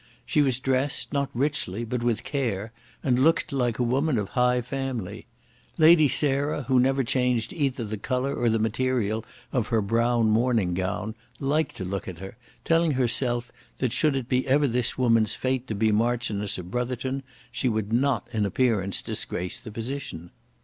She was dressed, not richly, but with care, and looked like a woman of high family. Lady Sarah, who never changed either the colour or the material of her brown morning gown, liked to look at her, telling herself that should it ever be this woman's fate to be Marchioness of Brotherton, she would not in appearance disgrace the position.